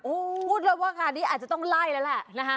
อู้วพูดเลยว่าคราวนี้อาจจะต้องไล่แล้วแหละ